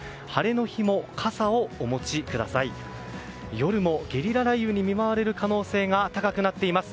夜もゲリラ雷雨に見舞われる可能性が高くなっています。